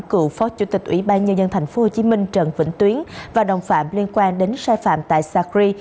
cựu phó chủ tịch ủy ban nhân dân tp hcm trần vĩnh tuyến và đồng phạm liên quan đến sai phạm tại sacri